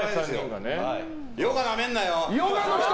ヨガなめんなよ！